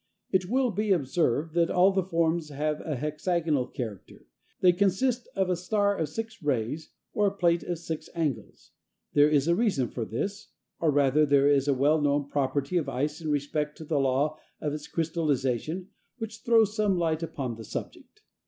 It will be observed that all the forms have a hexagonal character. They consist of a star of six rays, or a plate of six angles. There is a reason for this, or rather there is a well known property of ice in respect to the law of its crystallization which throws some light upon the subject.